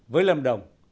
với lâm đồng